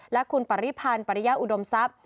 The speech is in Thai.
และคุณปริพันธ์ปริยาอุดมทรัพย์